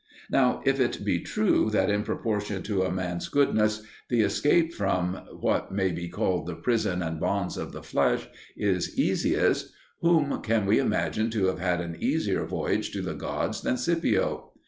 Now if it be true that in proportion to a man's goodness the escape from what may be called the prison and bonds of the flesh is easiest, whom can we imagine to have had an easier voyage to the gods than Scipio?